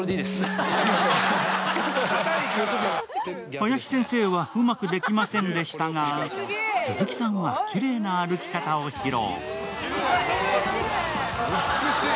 林先生はうまくできませんでしたが、鈴木さんはきれいな歩き方を披露。